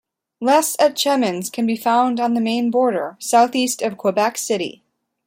Les Etchemins can be found on the Maine border, southeast of Quebec City.